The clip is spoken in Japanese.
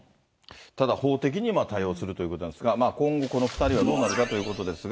ただ法的に対応するということですが、今後、この２人はどうなるかということなんですが。